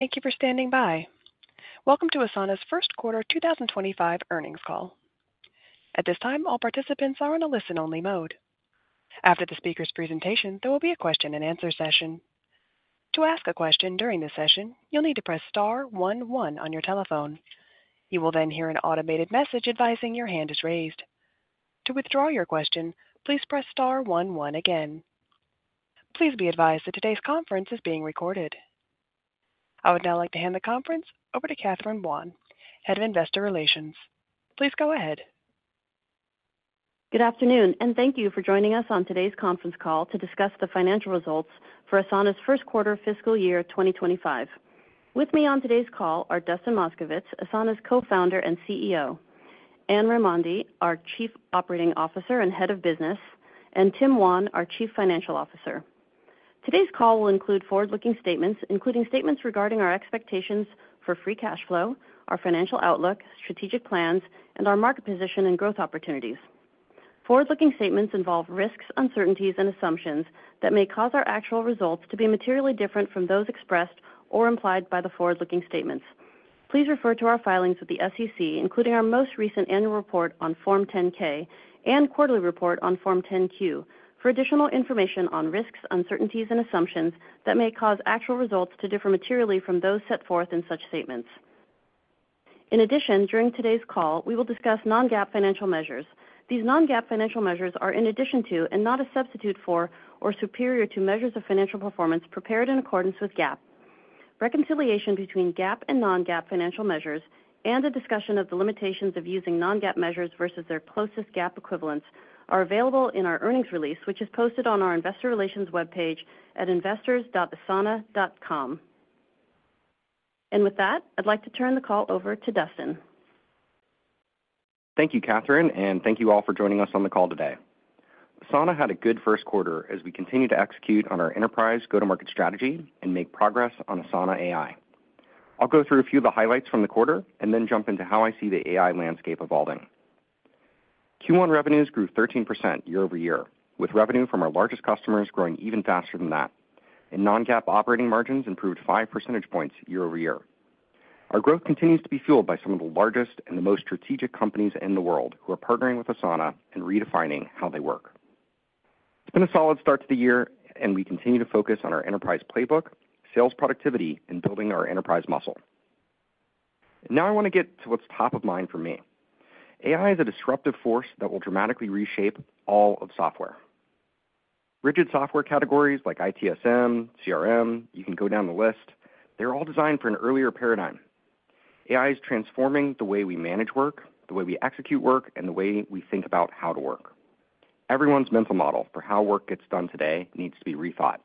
Thank you for standing by. Welcome to Asana's first quarter 2025 earnings call. At this time, all participants are on a listen-only mode. After the speaker's presentation, there will be a question-and-answer session. To ask a question during the session, you'll need to press star one one on your telephone. You will then hear an automated message advising your hand is raised. To withdraw your question, please press star one one again. Please be advised that today's conference is being recorded. I would now like to hand the conference over to Catherine Buan, Head of Investor Relations. Please go ahead. Good afternoon, and thank you for joining us on today's conference call to discuss the financial results for Asana's first quarter fiscal year 2025. With me on today's call are Dustin Moskovitz, Asana's Co-founder and CEO, Anne Raimondi, our Chief Operating Officer and Head of Business, and Tim Wan, our Chief Financial Officer. Today's call will include forward-looking statements, including statements regarding our expectations for free cash flow, our financial outlook, strategic plans, and our market position and growth opportunities. Forward-looking statements involve risks, uncertainties, and assumptions that may cause our actual results to be materially different from those expressed or implied by the forward-looking statements. Please refer to our filings with the SEC, including our most recent annual report on Form 10-K and quarterly report on Form 10-Q, for additional information on risks, uncertainties, and assumptions that may cause actual results to differ materially from those set forth in such statements. In addition, during today's call, we will discuss non-GAAP financial measures. These non-GAAP financial measures are in addition to and not a substitute for or superior to measures of financial performance prepared in accordance with GAAP. Reconciliation between GAAP and non-GAAP financial measures and a discussion of the limitations of using non-GAAP measures versus their closest GAAP equivalents are available in our earnings release, which is posted on our investor relations webpage at investors.asana.com. And with that, I'd like to turn the call over to Dustin. Thank you, Catherine, and thank you all for joining us on the call today. Asana had a good first quarter as we continue to execute on our enterprise go-to-market strategy and make progress on Asana AI. I'll go through a few of the highlights from the quarter and then jump into how I see the AI landscape evolving. Q1 revenues grew 13% year-over-year, with revenue from our largest customers growing even faster than that, and non-GAAP operating margins improved five percentage points year-over-year. Our growth continues to be fueled by some of the largest and the most strategic companies in the world, who are partnering with Asana and redefining how they work. It's been a solid start to the year, and we continue to focus on our enterprise playbook, sales productivity, and building our enterprise muscle. Now I want to get to what's top of mind for me. AI is a disruptive force that will dramatically reshape all of software. Rigid software categories like ITSM, CRM, you can go down the list, they're all designed for an earlier paradigm. AI is transforming the way we manage work, the way we execute work, and the way we think about how to work. Everyone's mental model for how work gets done today needs to be rethought.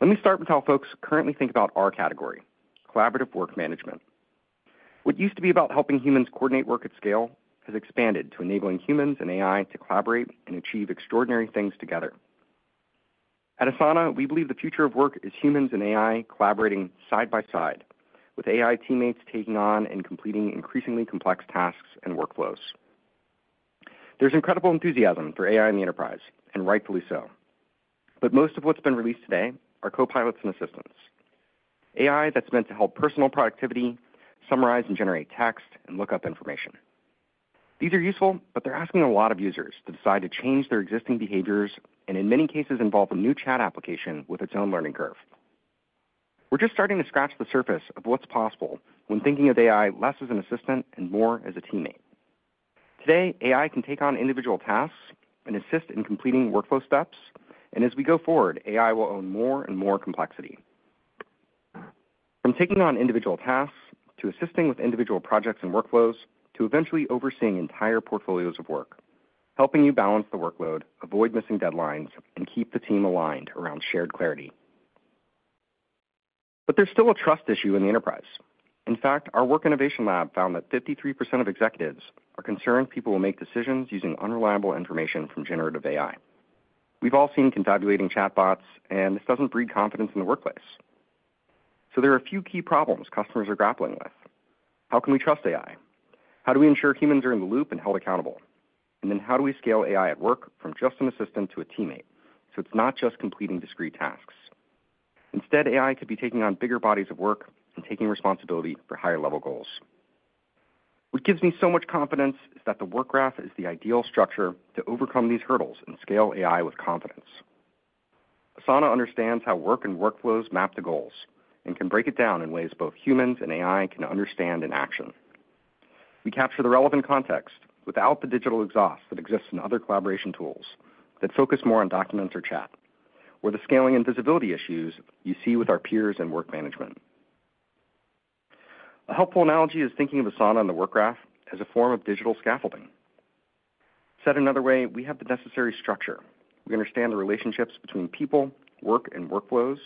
Let me start with how folks currently think about our category, collaborative work management. What used to be about helping humans coordinate work at scale, has expanded to enabling humans and AI to collaborate and achieve extraordinary things together. At Asana, we believe the future of work is humans and AI collaborating side by side, with AI teammates taking on and completing increasingly complex tasks and workflows. There's incredible enthusiasm for AI in the enterprise, and rightfully so. But most of what's been released today are copilots and assistants. AI that's meant to help personal productivity, summarize and generate text, and look up information. These are useful, but they're asking a lot of users to decide to change their existing behaviors, and in many cases, involve a new chat application with its own learning curve. We're just starting to scratch the surface of what's possible when thinking of AI less as an assistant and more as a teammate. Today, AI can take on individual tasks and assist in completing workflow steps, and as we go forward, AI will own more and more complexity. From taking on individual tasks, to assisting with individual projects and workflows, to eventually overseeing entire portfolios of work, helping you balance the workload, avoid missing deadlines, and keep the team aligned around shared clarity. But there's still a trust issue in the enterprise. In fact, our Work Innovation Lab found that 53% of executives are concerned people will make decisions using unreliable information from generative AI. We've all seen confabulating chatbots, and this doesn't breed confidence in the workplace. So there are a few key problems customers are grappling with. How can we trust AI? How do we ensure humans are in the loop and held accountable? And then how do we scale AI at work from just an assistant to a teammate, so it's not just completing discrete tasks? Instead, AI could be taking on bigger bodies of work and taking responsibility for higher-level goals. What gives me so much confidence is that the Work Graph is the ideal structure to overcome these hurdles and scale AI with confidence. Asana understands how work and workflows map to goals and can break it down in ways both humans and AI can understand and action. We capture the relevant context without the digital exhaust that exists in other collaboration tools that focus more on documents or chat, or the scaling and visibility issues you see with our peers in work management. A helpful analogy is thinking of Asana and the Work Graph as a form of digital scaffolding. Said another way, we have the necessary structure. We understand the relationships between people, work, and workflows,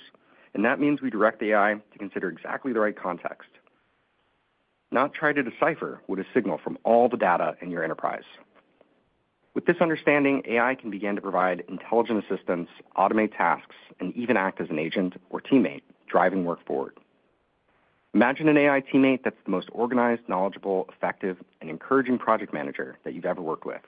and that means we direct AI to consider exactly the right context, not try to decipher what a signal from all the data in your enterprise. With this understanding, AI can begin to provide intelligent assistance, automate tasks, and even act as an agent or teammate, driving work forward. Imagine an AI teammate that's the most organized, knowledgeable, effective, and encouraging project manager that you've ever worked with,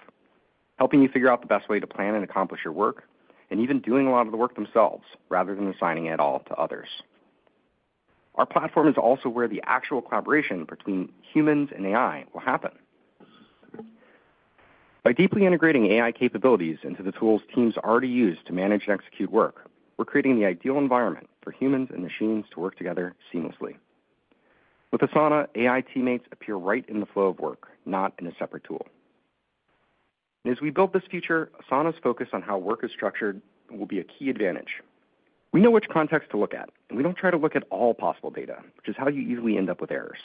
helping you figure out the best way to plan and accomplish your work, and even doing a lot of the work themselves, rather than assigning it all to others. Our platform is also where the actual collaboration between humans and AI will happen. By deeply integrating AI capabilities into the tools teams already use to manage and execute work, we're creating the ideal environment for humans and machines to work together seamlessly. With Asana, AI teammates appear right in the flow of work, not in a separate tool. As we build this future, Asana's focus on how work is structured will be a key advantage. We know which context to look at, and we don't try to look at all possible data, which is how you usually end up with errors.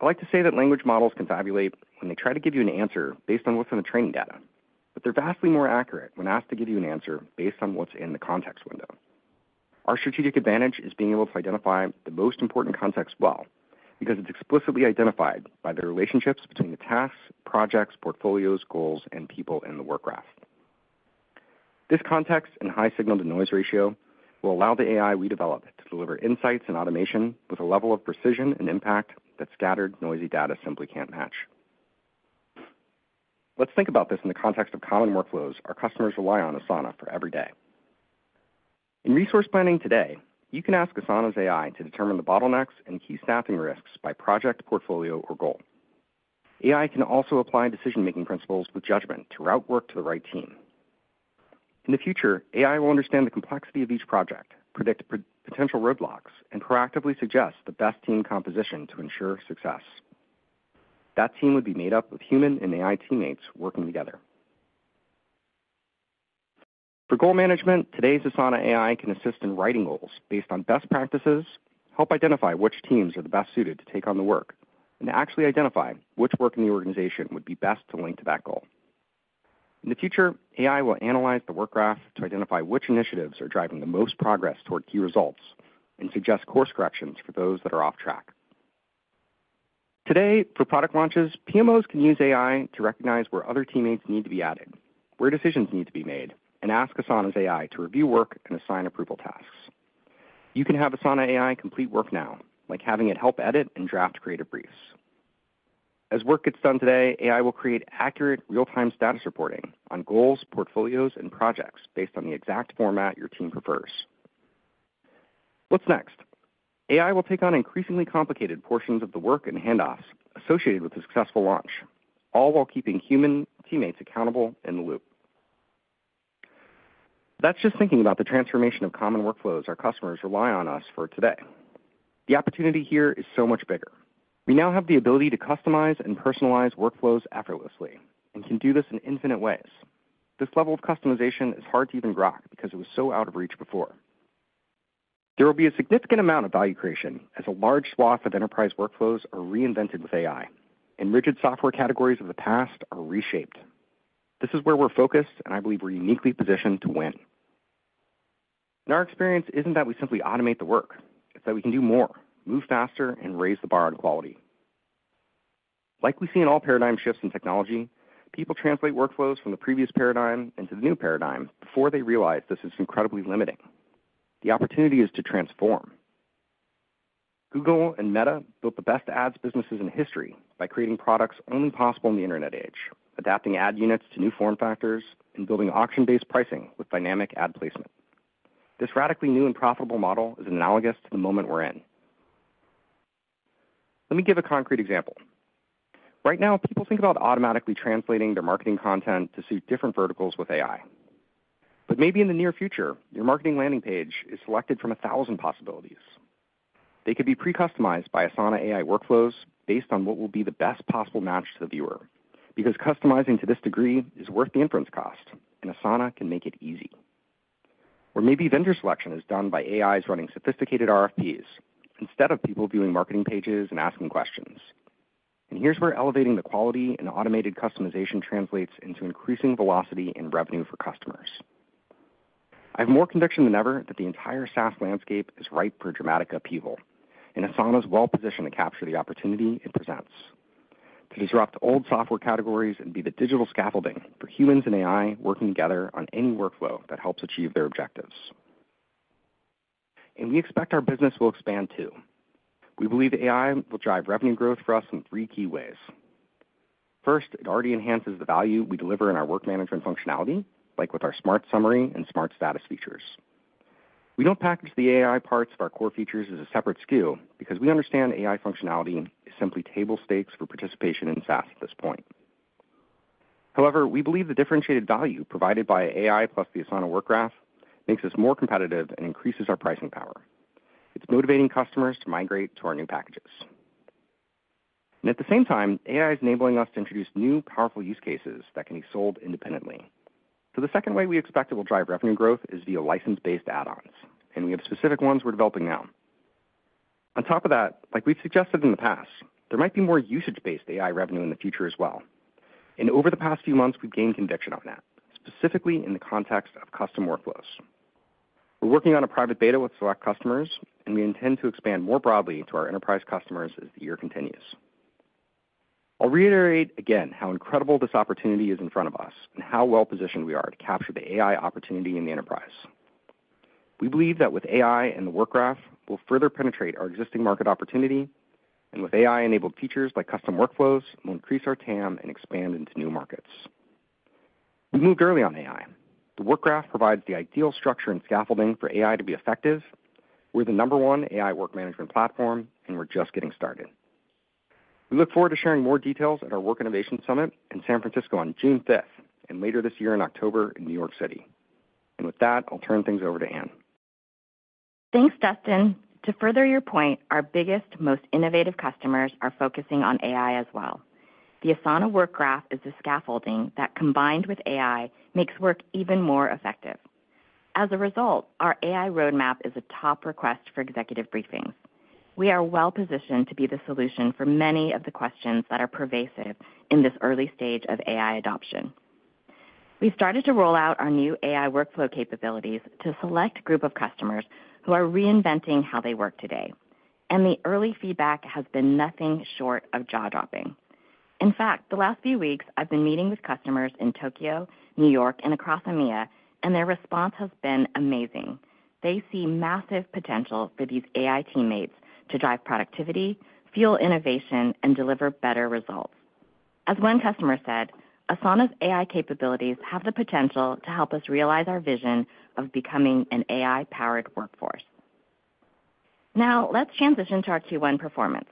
I like to say that language models confabulate when they try to give you an answer based on what's in the training data, but they're vastly more accurate when asked to give you an answer based on what's in the context window. Our strategic advantage is being able to identify the most important context well, because it's explicitly identified by the relationships between the tasks, projects, portfolios, goals, and people in the Work Graph. This context and high signal-to-noise ratio will allow the AI we develop to deliver insights and automation with a level of precision and impact that scattered, noisy data simply can't match. Let's think about this in the context of common workflows our customers rely on Asana for every day. In resource planning today, you can ask Asana's AI to determine the bottlenecks and key staffing risks by project, portfolio, or goal. AI can also apply decision-making principles with judgment to route work to the right team. In the future, AI will understand the complexity of each project, predict potential roadblocks, and proactively suggest the best team composition to ensure success. That team would be made up of human and AI teammates working together. For goal management, today's Asana AI can assist in writing goals based on best practices, help identify which teams are the best suited to take on the work, and actually identify which work in the organization would be best to link to that goal. In the future, AI will analyze the Work Graph to identify which initiatives are driving the most progress toward key results and suggest course corrections for those that are off track. Today, for product launches, PMOs can use AI to recognize where other teammates need to be added, where decisions need to be made, and ask Asana's AI to review work and assign approval tasks. You can have Asana AI complete work now, like having it help edit and draft creative briefs. As work gets done today, AI will create accurate, real-time status reporting on goals, portfolios, and projects based on the exact format your team prefers. What's next? AI will take on increasingly complicated portions of the work and handoffs associated with a successful launch, all while keeping human teammates accountable in the loop. That's just thinking about the transformation of common workflows our customers rely on us for today. The opportunity here is so much bigger. We now have the ability to customize and personalize workflows effortlessly, and can do this in infinite ways. This level of customization is hard to even grasp because it was so out of reach before. There will be a significant amount of value creation as a large swath of enterprise workflows are reinvented with AI, and rigid software categories of the past are reshaped. This is where we're focused, and I believe we're uniquely positioned to win. Our experience isn't that we simply automate the work, it's that we can do more, move faster, and raise the bar on quality. Like we see in all paradigm shifts in technology, people translate workflows from the previous paradigm into the new paradigm before they realize this is incredibly limiting. The opportunity is to transform. Google and Meta built the best ads businesses in history by creating products only possible in the internet age, adapting ad units to new form factors, and building auction-based pricing with dynamic ad placement. This radically new and profitable model is analogous to the moment we're in. Let me give a concrete example. Right now, people think about automatically translating their marketing content to suit different verticals with AI. But maybe in the near future, your marketing landing page is selected from 1,000 possibilities. They could be pre-customized by Asana AI workflows based on what will be the best possible match to the viewer, because customizing to this degree is worth the inference cost, and Asana can make it easy. Or maybe vendor selection is done by AIs running sophisticated RFPs, instead of people viewing marketing pages and asking questions. And here's where elevating the quality and automated customization translates into increasing velocity and revenue for customers. I have more conviction than ever that the entire SaaS landscape is ripe for a dramatic upheaval, and Asana is well positioned to capture the opportunity it presents, to disrupt old software categories and be the digital scaffolding for humans and AI working together on any workflow that helps achieve their objectives. And we expect our business will expand, too. We believe AI will drive revenue growth for us in three key ways. First, it already enhances the value we deliver in our work management functionality, like with our Smart Summary and Smart Status features. We don't package the AI parts of our core features as a separate SKU because we understand AI functionality is simply table stakes for participation in SaaS at this point. However, we believe the differentiated value provided by AI plus the Asana Work Graph makes us more competitive and increases our pricing power. It's motivating customers to migrate to our new packages. And at the same time, AI is enabling us to introduce new, powerful use cases that can be sold independently. So the second way we expect it will drive revenue growth is via license-based add-ons, and we have specific ones we're developing now. On top of that, like we've suggested in the past, there might be more usage-based AI revenue in the future as well. And over the past few months, we've gained conviction on that, specifically in the context of custom workflows. We're working on a private beta with select customers, and we intend to expand more broadly to our enterprise customers as the year continues. I'll reiterate again how incredible this opportunity is in front of us, and how well-positioned we are to capture the AI opportunity in the enterprise. We believe that with AI and the Work Graph, we'll further penetrate our existing market opportunity, and with AI-enabled features like custom workflows, we'll increase our TAM and expand into new markets. We moved early on AI. The Work Graph provides the ideal structure and scaffolding for AI to be effective. We're the number one AI work management platform, and we're just getting started. We look forward to sharing more details at our Work Innovation Summit in San Francisco on June 5th, and later this year in October in New York City. And with that, I'll turn things over to Anne. Thanks, Dustin. To further your point, our biggest, most innovative customers are focusing on AI as well. The Asana Work Graph is the scaffolding that, combined with AI, makes work even more effective. As a result, our AI roadmap is a top request for executive briefings. We are well-positioned to be the solution for many of the questions that are pervasive in this early stage of AI adoption. We started to roll out our new AI workflow capabilities to a select group of customers who are reinventing how they work today, and the early feedback has been nothing short of jaw-dropping. In fact, the last few weeks, I've been meeting with customers in Tokyo, New York, and across EMEA, and their response has been amazing. They see massive potential for these AI teammates to drive productivity, fuel innovation, and deliver better results. As one customer said, "Asana's AI capabilities have the potential to help us realize our vision of becoming an AI-powered workforce." Now, let's transition to our Q1 performance.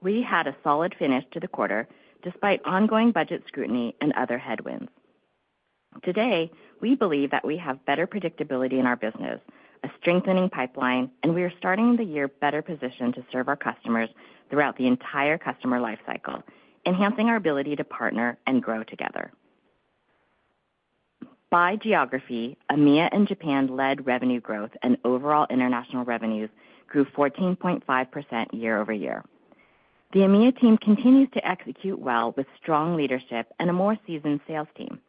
We had a solid finish to the quarter, despite ongoing budget scrutiny and other headwinds. Today, we believe that we have better predictability in our business, a strengthening pipeline, and we are starting the year better positioned to serve our customers throughout the entire customer life cycle, enhancing our ability to partner and grow together. By geography, EMEA and Japan led revenue growth, and overall international revenues grew 14.5% year-over-year. The EMEA team continues to execute well with strong leadership and a more seasoned sales team.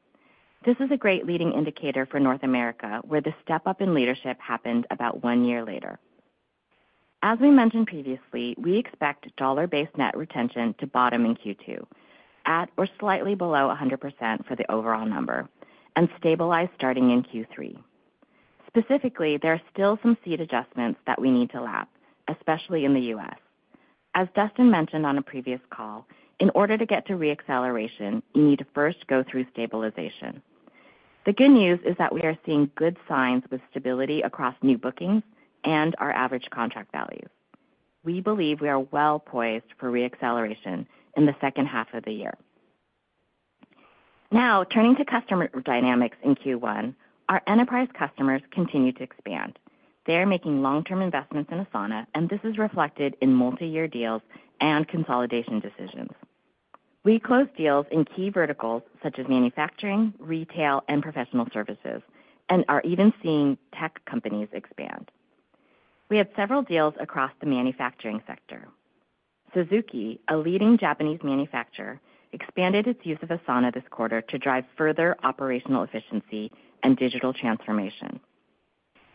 This is a great leading indicator for North America, where the step-up in leadership happened about one year later. As we mentioned previously, we expect dollar-based net retention to bottom in Q2, at or slightly below 100% for the overall number, and stabilize starting in Q3. Specifically, there are still some seat adjustments that we need to lap, especially in the U.S. As Dustin mentioned on a previous call, in order to get to re-acceleration, you need to first go through stabilization. The good news is that we are seeing good signs with stability across new bookings and our average contract values. We believe we are well-poised for re-acceleration in the second half of the year. Now, turning to customer dynamics in Q1, our enterprise customers continue to expand. They are making long-term investments in Asana, and this is reflected in multi-year deals and consolidation decisions. We closed deals in key verticals such as manufacturing, retail, and professional services, and are even seeing tech companies expand. We had several deals across the manufacturing sector. Suzuki, a leading Japanese manufacturer, expanded its use of Asana this quarter to drive further operational efficiency and digital transformation.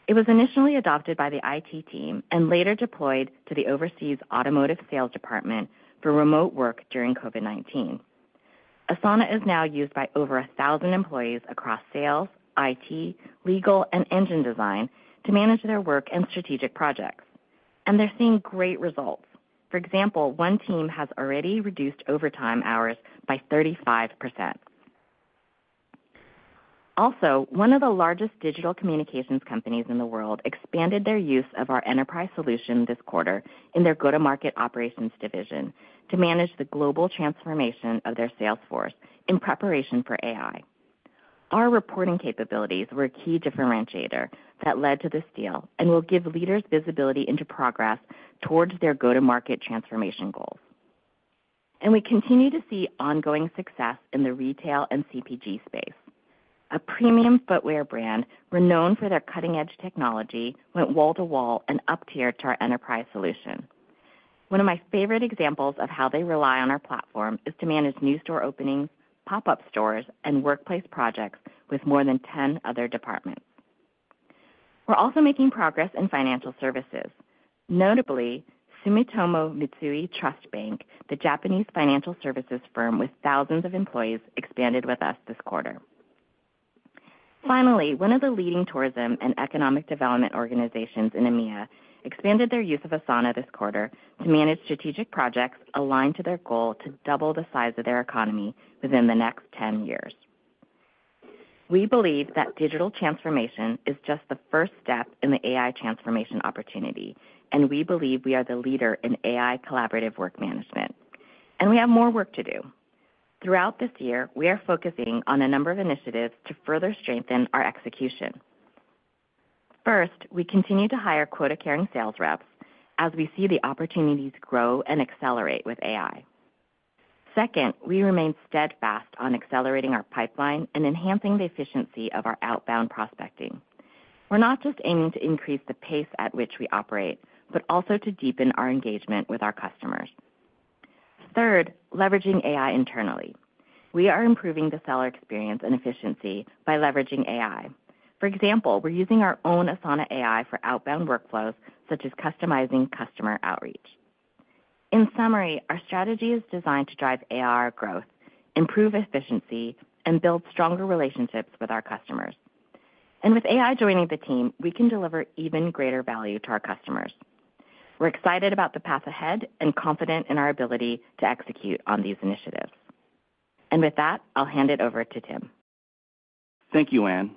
It was initially adopted by the IT team and later deployed to the overseas automotive sales department for remote work during COVID-19. Asana is now used by over 1,000 employees across sales, IT, legal, and engine design to manage their work and strategic projects, and they're seeing great results. For example, one team has already reduced overtime hours by 35%. Also, one of the largest digital communications companies in the world expanded their use of our enterprise solution this quarter in their go-to-market operations division to manage the global transformation of their sales force in preparation for AI. Our reporting capabilities were a key differentiator that led to this deal and will give leaders visibility into progress towards their go-to-market transformation goals. We continue to see ongoing success in the retail and CPG space. A premium footwear brand, renowned for their cutting-edge technology, went wall to wall and uptiered to our enterprise solution. One of my favorite examples of how they rely on our platform is to manage new store openings, pop-up stores, and workplace projects with more than 10 other departments. We're also making progress in financial services. Notably, Sumitomo Mitsui Trust Bank, the Japanese financial services firm with thousands of employees, expanded with us this quarter. Finally, one of the leading tourism and economic development organizations in EMEA expanded their use of Asana this quarter to manage strategic projects aligned to their goal to double the size of their economy within the next 10 years. We believe that digital transformation is just the first step in the AI transformation opportunity, and we believe we are the leader in AI collaborative work management, and we have more work to do. Throughout this year, we are focusing on a number of initiatives to further strengthen our execution. First, we continue to hire quota-carrying sales reps as we see the opportunities grow and accelerate with AI. Second, we remain steadfast on accelerating our pipeline and enhancing the efficiency of our outbound prospecting. We're not just aiming to increase the pace at which we operate, but also to deepen our engagement with our customers. Third, leveraging AI internally. We are improving the seller experience and efficiency by leveraging AI. For example, we're using our own Asana AI for outbound workflows, such as customizing customer outreach. In summary, our strategy is designed to drive ARR growth, improve efficiency, and build stronger relationships with our customers. And with AI joining the team, we can deliver even greater value to our customers. We're excited about the path ahead and confident in our ability to execute on these initiatives. And with that, I'll hand it over to Tim. Thank you, Anne.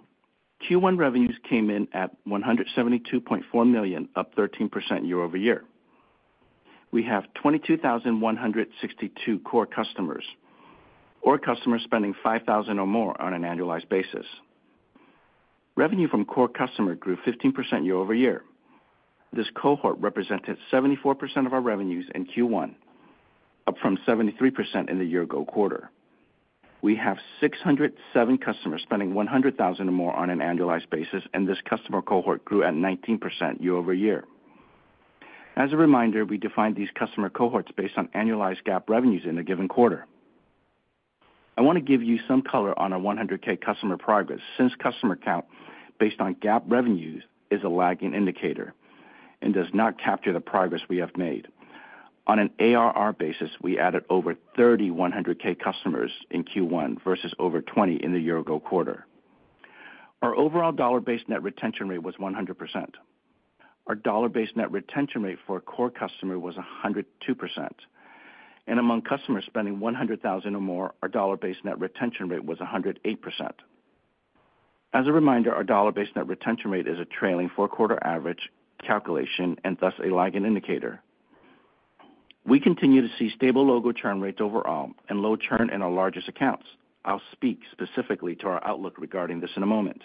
Q1 revenues came in at $172.4 million, up 13% year-over-year. We have 22,162 core customers, or customers spending $5,000 or more on an annualized basis. Revenue from core customer grew 15% year-over-year. This cohort represented 74% of our revenues in Q1, up from 73% in the year ago quarter. We have 607 customers spending $100,000 or more on an annualized basis, and this customer cohort grew at 19% year-over-year. As a reminder, we define these customer cohorts based on annualized GAAP revenues in a given quarter. I want to give you some color on our 100,000 customer progress, since customer count based on GAAP revenues is a lagging indicator and does not capture the progress we have made. On an ARR basis, we added over 31,000 customers in Q1 versus over 20 in the year ago quarter. Our overall dollar-based net retention rate was 100%. Our dollar-based net retention rate for a core customer was 102%, and among customers spending $100,000 or more, our dollar-based net retention rate was 108%. As a reminder, our dollar-based net retention rate is a trailing four-quarter average calculation and thus a lagging indicator. We continue to see stable logo churn rates overall and low churn in our largest accounts. I'll speak specifically to our outlook regarding this in a moment.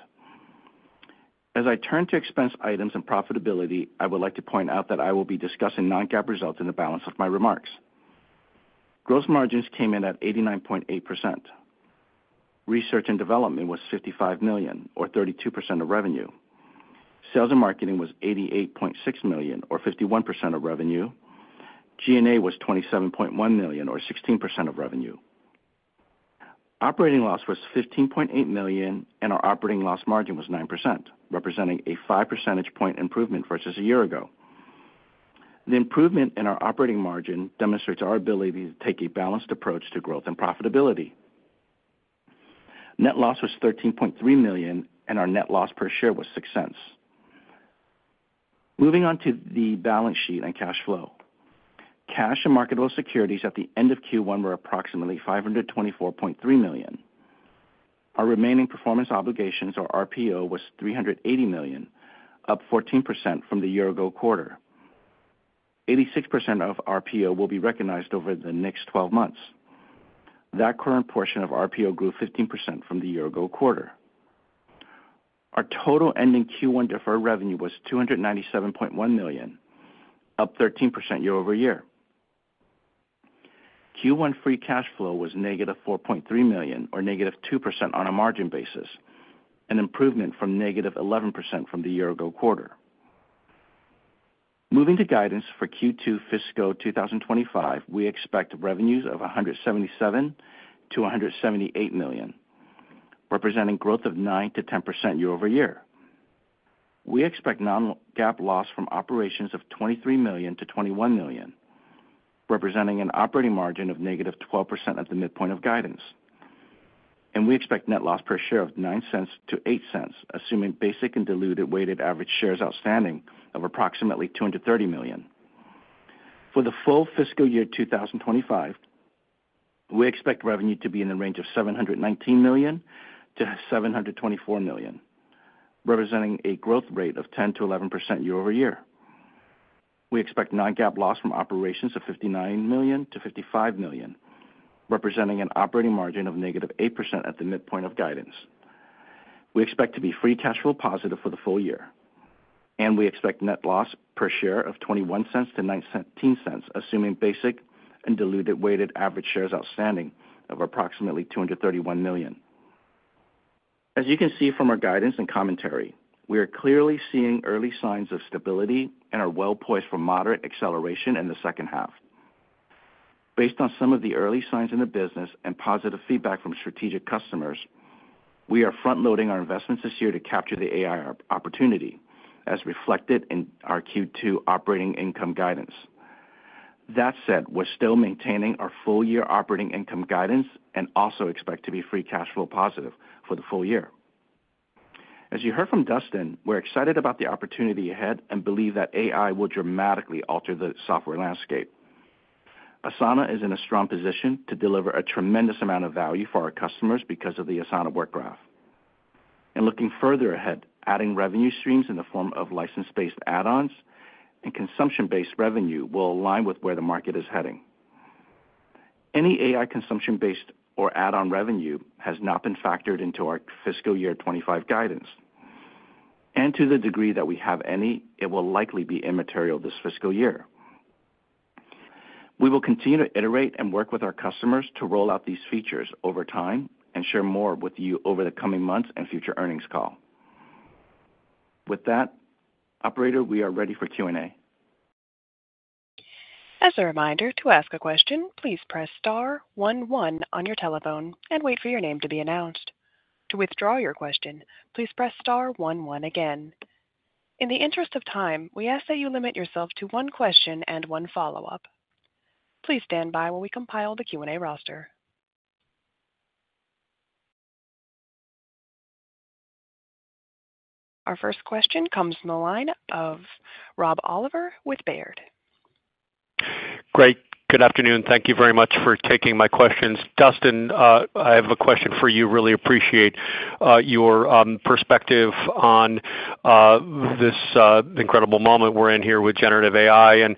As I turn to expense items and profitability, I would like to point out that I will be discussing non-GAAP results in the balance of my remarks. Gross margins came in at 89.8%. Research and development was $55 million, or 32% of revenue. Sales and marketing was $88.6 million, or 51% of revenue. G&A was $27.1 million, or 16% of revenue. Operating loss was $15.8 million, and our operating loss margin was 9%, representing a five percentage point improvement versus a year ago. The improvement in our operating margin demonstrates our ability to take a balanced approach to growth and profitability. Net loss was $13.3 million, and our net loss per share was $0.06. Moving on to the balance sheet and cash flow. Cash and marketable securities at the end of Q1 were approximately $524.3 million. Our remaining performance obligations, or RPO, was $380 million, up 14% from the year ago quarter. 86% of RPO will be recognized over the next 12 months. That current portion of RPO grew 15% from the year-ago quarter. Our total ending Q1 deferred revenue was $297.1 million, up 13% year-over-year. Q1 free cash flow was -$4.3 million, or -2% on a margin basis, an improvement from -11% from the year-ago quarter. Moving to guidance for Q2 fiscal 2025, we expect revenues of $177 million-$178 million, representing growth of 9%-10% year-over-year. We expect non-GAAP loss from operations of $23 million-$21 million, representing an operating margin of -12% at the midpoint of guidance. We expect net loss per share of $0.09-$0.08, assuming basic and diluted weighted average shares outstanding of approximately 230 million. For the full fiscal year 2025, we expect revenue to be in the range of $719 million-$724 million, representing a growth rate of 10%-11% year-over-year. We expect non-GAAP loss from operations of $59 million-$55 million, representing an operating margin of -8% at the midpoint of guidance. We expect to be free cash flow positive for the full year, and we expect net loss per share of $0.21-$0.19, assuming basic and diluted weighted average shares outstanding of approximately 231 million. As you can see from our guidance and commentary, we are clearly seeing early signs of stability and are well poised for moderate acceleration in the second half. Based on some of the early signs in the business and positive feedback from strategic customers, we are front-loading our investments this year to capture the AI opportunity, as reflected in our Q2 operating income guidance. That said, we're still maintaining our full-year operating income guidance and also expect to be free cash flow positive for the full year. As you heard from Dustin, we're excited about the opportunity ahead and believe that AI will dramatically alter the software landscape. Asana is in a strong position to deliver a tremendous amount of value for our customers because of the Asana Work Graph. Looking further ahead, adding revenue streams in the form of license-based add-ons and consumption-based revenue will align with where the market is heading. Any AI consumption-based or add-on revenue has not been factored into our fiscal year 25 guidance, and to the degree that we have any, it will likely be immaterial this fiscal year. We will continue to iterate and work with our customers to roll out these features over time and share more with you over the coming months and future earnings call. With that, operator, we are ready for Q&A. As a reminder, to ask a question, please press star one, one on your telephone and wait for your name to be announced. To withdraw your question, please press star one, one again. In the interest of time, we ask that you limit yourself to one question and one follow-up. Please stand by while we compile the Q&A roster. Our first question comes from the line of Rob Oliver with Baird. Great. Good afternoon. Thank you very much for taking my questions. Dustin, I have a question for you. Really appreciate your perspective on this incredible moment we're in here with generative AI, and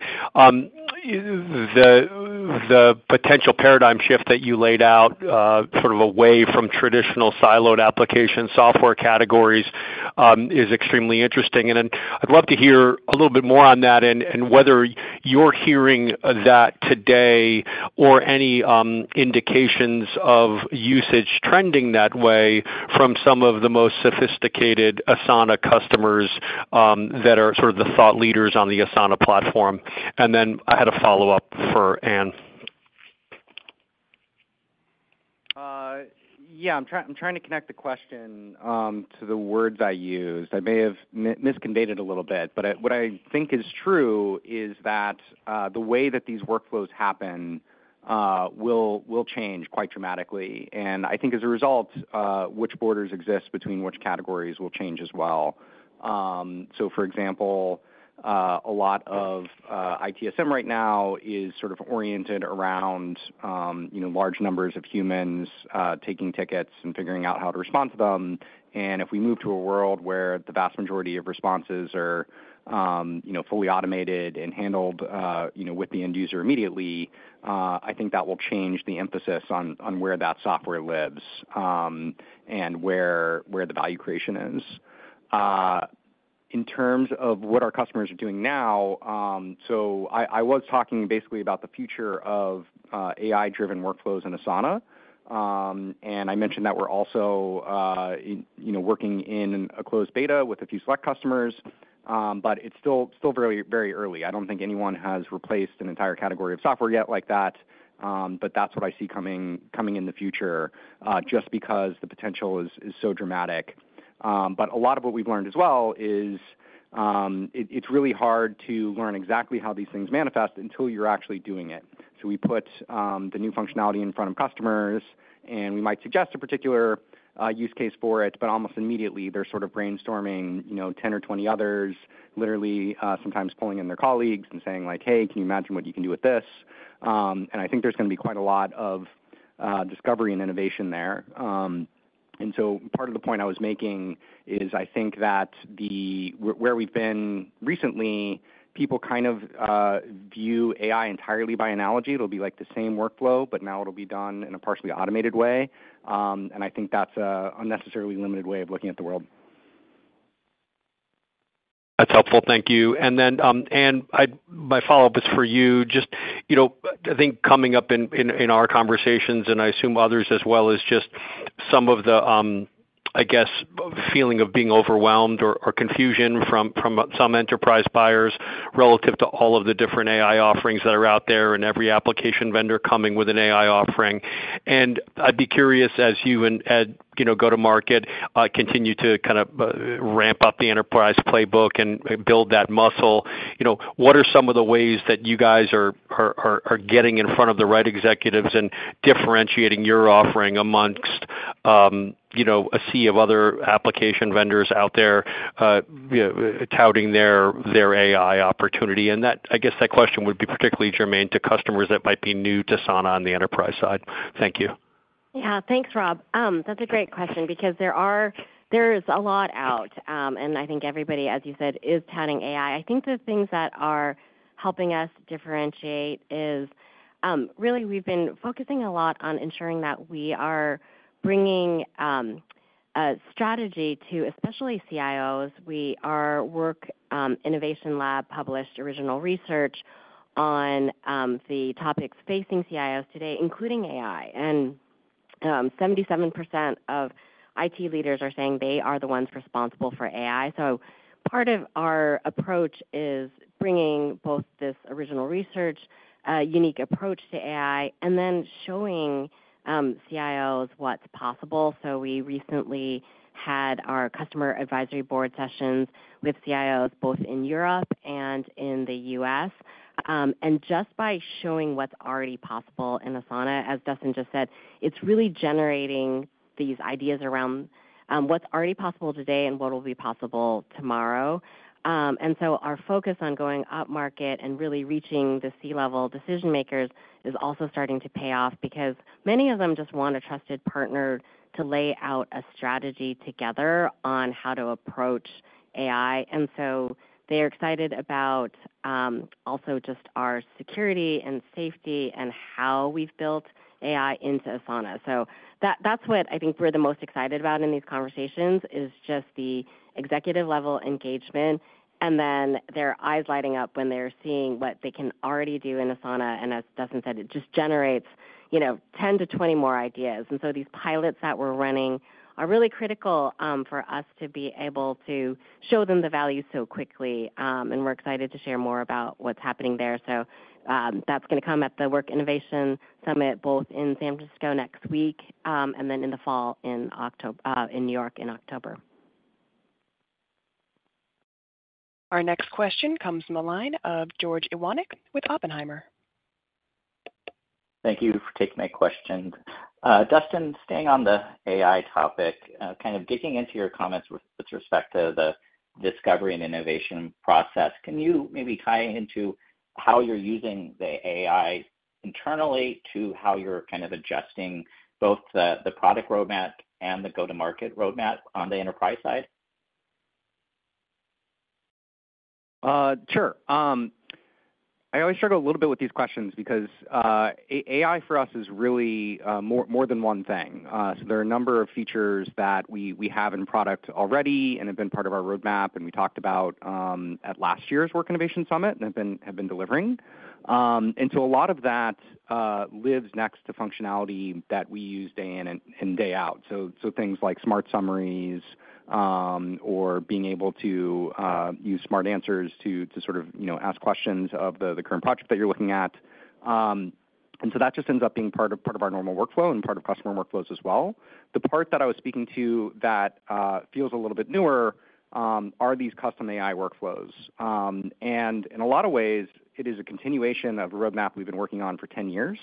the potential paradigm shift that you laid out sort of away from traditional siloed application software categories is extremely interesting. And then I'd love to hear a little bit more on that and whether you're hearing that today or any indications of usage trending that way from some of the most sophisticated Asana customers that are sort of the thought leaders on the Asana platform. And then I had a follow-up for Anne. Yeah, I'm trying to connect the question to the words I used. I may have misconveyed it a little bit, but what I think is true is that the way that these workflows happen will change quite dramatically. And I think as a result, which borders exist between which categories will change as well. So for example, a lot of ITSM right now is sort of oriented around you know, large numbers of humans taking tickets and figuring out how to respond to them. And if we move to a world where the vast majority of responses are you know, fully automated and handled you know, with the end user immediately, I think that will change the emphasis on where that software lives and where the value creation is. In terms of what our customers are doing now, so I was talking basically about the future of AI-driven workflows in Asana. And I mentioned that we're also you know working in a closed beta with a few select customers, but it's still still very very early. I don't think anyone has replaced an entire category of software yet like that, but that's what I see coming in the future just because the potential is so dramatic. But a lot of what we've learned as well is it's really hard to learn exactly how these things manifest until you're actually doing it. So we put the new functionality in front of customers, and we might suggest a particular use case for it, but almost immediately, they're sort of brainstorming, you know, 10 or 20 others, literally, sometimes pulling in their colleagues and saying like, "Hey, can you imagine what you can do with this?" And I think there's going to be quite a lot of discovery and innovation there. And so part of the point I was making is I think that where we've been recently, people kind of view AI entirely by analogy. It'll be like the same workflow, but now it'll be done in a partially automated way. And I think that's a unnecessarily limited way of looking at the world. That's helpful. Thank you. And then, Anne, my follow-up is for you. Just, you know, I think coming up in our conversations, and I assume others as well, is just some of the, I guess, feeling of being overwhelmed or confusion from some enterprise buyers relative to all of the different AI offerings that are out there, and every application vendor coming with an AI offering. And I'd be curious, as you and you know, go to market, continue to kind of ramp up the enterprise playbook and build that muscle, you know, what are some of the ways that you guys are getting in front of the right executives and differentiating your offering amongst, you know, a sea of other application vendors out there, touting their AI opportunity? I guess that question would be particularly germane to customers that might be new to Asana on the enterprise side. Thank you. Yeah. Thanks, Rob. That's a great question because there's a lot out, and I think everybody, as you said, is touting AI. I think the things that are helping us differentiate is, really, we've been focusing a lot on ensuring that we are bringing a strategy to, especially CIOs. Our Work Innovation Lab published original research on the topics facing CIOs today, including AI. And, 77% of IT leaders are saying they are the ones responsible for AI. So part of our approach is bringing both this original research, a unique approach to AI, and then showing CIOs what's possible. So we recently had our customer advisory board sessions with CIOs, both in Europe and in the U.S. And just by showing what's already possible in Asana, as Dustin just said, it's really generating these ideas around what's already possible today and what will be possible tomorrow. And so our focus on going upmarket and really reaching the C-level decision makers is also starting to pay off because many of them just want a trusted partner to lay out a strategy together on how to approach AI. And so they're excited about, also just our security and safety and how we've built AI into Asana. So that, that's what I think we're the most excited about in these conversations, is just the executive-level engagement, and then their eyes lighting up when they're seeing what they can already do in Asana, and as Dustin said, it just generates, you know, 10-20 more ideas. These pilots that we're running are really critical for us to be able to show them the value so quickly. And we're excited to share more about what's happening there. So, that's gonna come at the Work Innovation Summit, both in San Francisco next week, and then in the fall, in New York in October. Our next question comes from the line of George Iwanyc with Oppenheimer. Thank you for taking my questions. Dustin, staying on the AI topic, kind of digging into your comments with, with respect to the discovery and innovation process, can you maybe tie into how you're using the AI internally to how you're kind of adjusting both the, the product roadmap and the go-to-market roadmap on the enterprise side? Sure. I always struggle a little bit with these questions because AI for us is really more than one thing. So there are a number of features that we have in product already and have been part of our roadmap, and we talked about at last year's Work Innovation Summit, and have been delivering. And so a lot of that lives next to functionality that we use day in and day out. So things like Smart Summaries or being able to use Smart Answers to sort of, you know, ask questions of the current project that you're looking at. And so that just ends up being part of our normal workflow and part of customer workflows as well. The part that I was speaking to that, feels a little bit newer, are these custom AI workflows. And in a lot of ways, it is a continuation of a roadmap we've been working on for 10 years.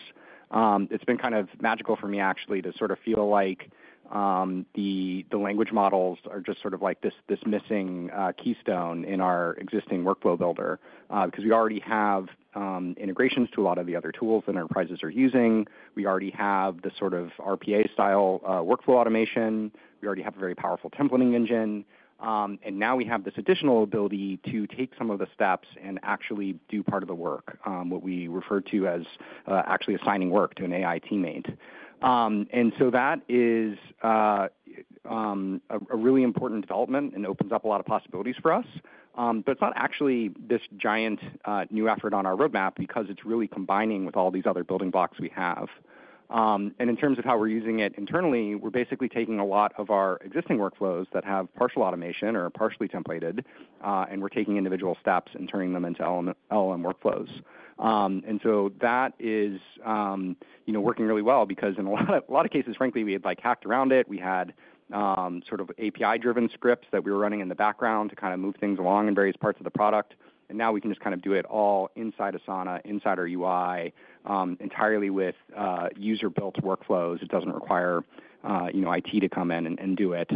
It's been kind of magical for me, actually, to sort of feel like, the language models are just sort of like this missing keystone in our existing workflow builder. Because we already have, integrations to a lot of the other tools that enterprises are using. We already have the sort of RPA-style, workflow automation. We already have a very powerful templating engine. And now we have this additional ability to take some of the steps and actually do part of the work, what we refer to as, actually assigning work to an AI teammate. And so that is a really important development and opens up a lot of possibilities for us. But it's not actually this giant new effort on our roadmap because it's really combining with all these other building blocks we have. And in terms of how we're using it internally, we're basically taking a lot of our existing workflows that have partial automation or are partially templated, and we're taking individual steps and turning them into LLM workflows. And so that is, you know, working really well because in a lot of cases, frankly, we had, like, hacked around it. We had sort of API-driven scripts that we were running in the background to kind of move things along in various parts of the product, and now we can just kind of do it all inside Asana, inside our UI, entirely with user-built workflows. It doesn't require, you know, IT to come in and do it.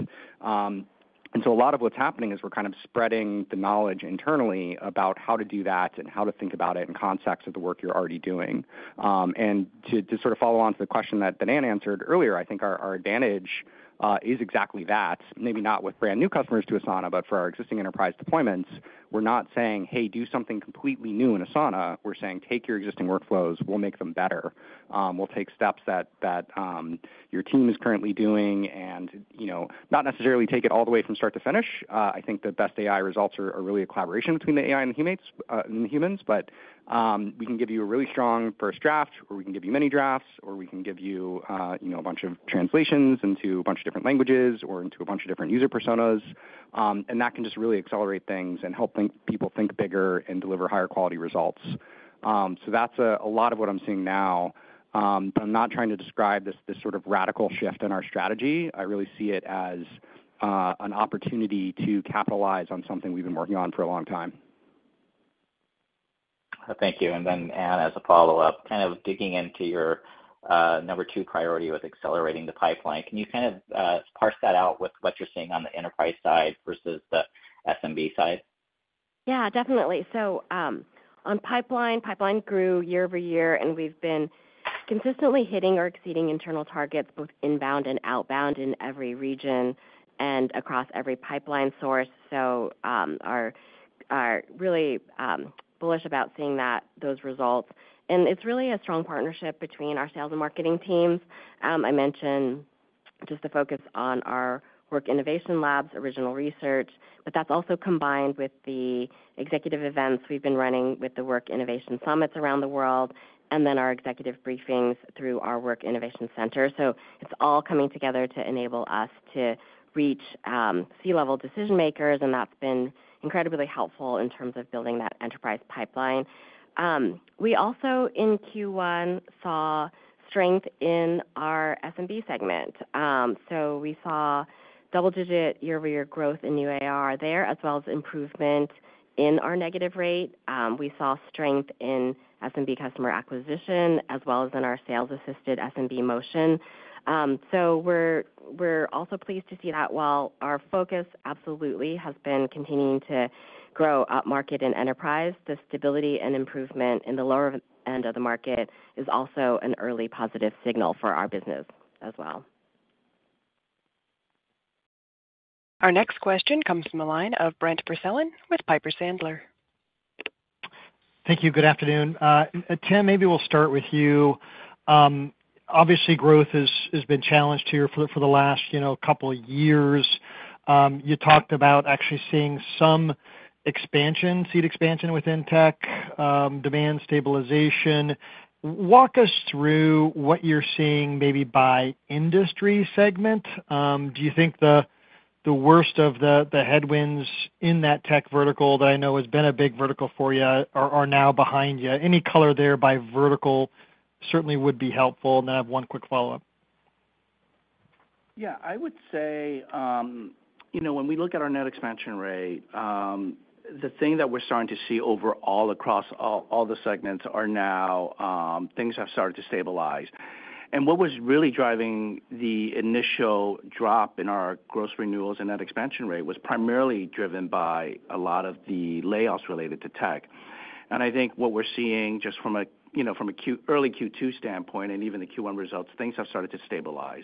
And so a lot of what's happening is we're kind of spreading the knowledge internally about how to do that and how to think about it in context of the work you're already doing. And to sort of follow on to the question that Anne answered earlier, I think our advantage is exactly that. Maybe not with brand new customers to Asana, but for our existing enterprise deployments, we're not saying, "Hey, do something completely new in Asana." We're saying, "Take your existing workflows, we'll make them better. We'll take steps that your team is currently doing, and, you know, not necessarily take it all the way from start to finish." I think the best AI results are really a collaboration between the AI and the humans. But, we can give you a really strong first draft, or we can give you many drafts, or we can give you, you know, a bunch of translations into a bunch of different languages or into a bunch of different user personas. And that can just really accelerate things and help people think bigger and deliver higher quality results. So that's a lot of what I'm seeing now. But I'm not trying to describe this, this sort of radical shift in our strategy. I really see it as an opportunity to capitalize on something we've been working on for a long time. Thank you. And then, Ann, as a follow-up, kind of digging into your number two priority with accelerating the pipeline, can you kind of parse that out with what you're seeing on the enterprise side versus the SMB side? Yeah, definitely. So, on pipeline, pipeline grew year over year, and we've been consistently hitting or exceeding internal targets, both inbound and outbound, in every region and across every pipeline source. So, are really bullish about seeing that, those results. And it's really a strong partnership between our sales and marketing teams. I mentioned just the focus on our Work Innovation Lab, original research, but that's also combined with the executive events we've been running with the Work Innovation Summits around the world, and then our executive briefings through our Work Innovation Center. So it's all coming together to enable us to reach, C-level decision makers, and that's been incredibly helpful in terms of building that enterprise pipeline. We also, in Q1, saw strength in our SMB segment. So we saw double digit year-over-year growth in new ARR there, as well as improvement in our negative rate. We saw strength in SMB customer acquisition, as well as in our sales-assisted SMB motion. So we're also pleased to see that while our focus absolutely has been continuing to grow upmarket and enterprise, the stability and improvement in the lower end of the market is also an early positive signal for our business as well. Our next question comes from the line of Brent Bracelin with Piper Sandler. Thank you. Good afternoon. Tim, maybe we'll start with you. Obviously, growth has been challenged here for the last, you know, couple of years. You talked about actually seeing some expansion, seat expansion within tech, demand stabilization. Walk us through what you're seeing, maybe by industry segment. Do you think the worst of the headwinds in that tech vertical, that I know has been a big vertical for you, are now behind you? Any color there by vertical certainly would be helpful. And then I have one quick follow-up. Yeah, I would say, you know, when we look at our net expansion rate, the thing that we're starting to see overall, across all, all the segments are now, things have started to stabilize. And what was really driving the initial drop in our gross renewals and net expansion rate was primarily driven by a lot of the layoffs related to tech. And I think what we're seeing just from a, you know, from a Q- early Q2 standpoint, and even the Q1 results, things have started to stabilize.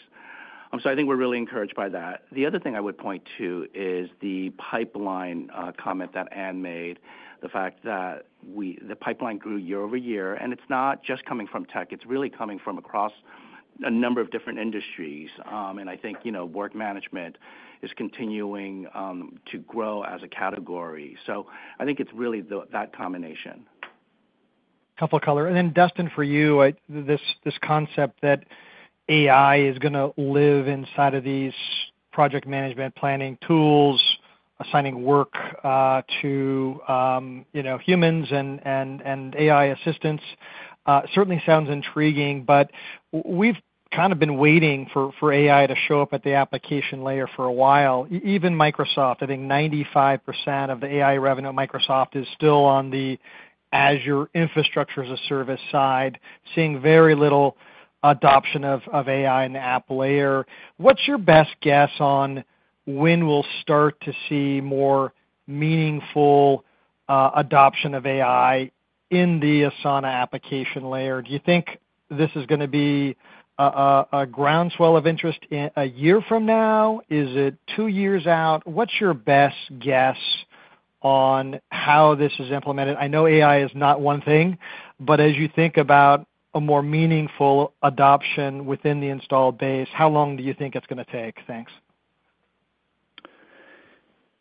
So I think we're really encouraged by that. The other thing I would point to is the pipeline, comment that Anne made, the fact that we- the pipeline grew year over year, and it's not just coming from tech, it's really coming from across a number of different industries. And I think, you know, work management is continuing to grow as a category. So I think it's really that combination. Couple color, and then Dustin, for you, this, this concept that AI is gonna live inside of these project management planning tools, assigning work, to, you know, humans and, and, and AI assistants, certainly sounds intriguing, but we've kind of been waiting for AI to show up at the application layer for a while. Even Microsoft, I think 95% of the AI revenue at Microsoft is still on the Azure infrastructure as a service side, seeing very little adoption of, of AI in the app layer. What's your best guess on when we'll start to see more meaningful, adoption of AI in the Asana application layer? Do you think this is gonna be a groundswell of interest in a year from now? Is it two years out? What's your best guess on how this is implemented? I know AI is not one thing, but as you think about a more meaningful adoption within the installed base, how long do you think it's gonna take? Thanks.